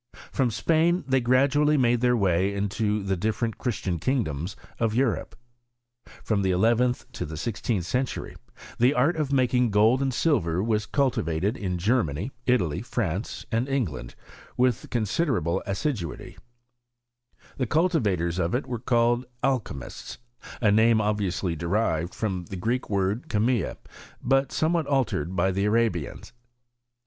From Spain they gradually mad their way into the difierent Christian kingdoms of Sn rope. From the eleventh to the sixteenth century, the ai • Shaw*s iThuislation of Bberhaave's Cliimblvyt t ftt« OF ALCHTMTi ^H^making gold and silver was cultivated in Germany, ^^Eilly. France, aod England, with considerable assi duity. The cultivators of it were called Alchymuttt a name obviously derived from the Greek word cAe mta, but somewhat altered by the Arabians.